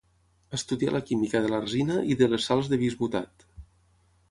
Estudià la química de l'arsina i de les sals de bismutat.